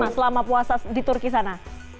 ini bisa dikatakan mas selama puasa di turki sana